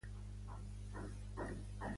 La capital es va establir a Kurnool.